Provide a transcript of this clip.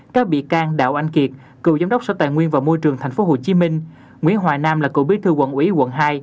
các bị can đạo anh kiệt cựu giám đốc sở tài nguyên và môi trường tp hcm nguyễn hoài nam là cựu bí thư quận ủy quận hai